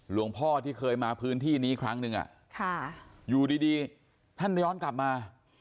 หลวงพ่อที่เคยมาพื้นที่นี้ครั้งหนึ่งอยู่ดีท่านย้อนกลับมา